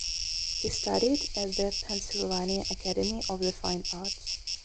He studied at the Pennsylvania Academy of the Fine Arts.